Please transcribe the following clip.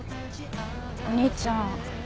お兄ちゃん。